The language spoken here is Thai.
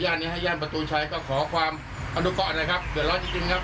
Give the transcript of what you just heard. ย่านนี้ให้ย่านประตูชัยเขาขอความอันดุเกาะนะครับเดือดร้อนจริงครับ